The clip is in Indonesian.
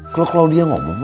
kalau claudia ngomong